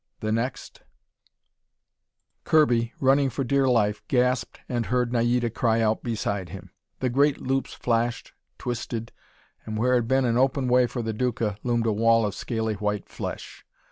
The next Kirby, running for dear life, gasped, and heard Naida cry out beside him. The great loops flashed, twisted, and where had been an open way for the Duca, loomed a wall of scaly white flesh.